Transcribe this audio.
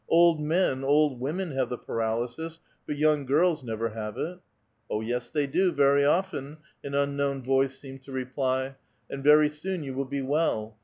Old men, old women, have the paralysis, but young girls never have it !"" Oh, yes, they do, very often," an unknown voice seemed to reply, " and very soon you will be well.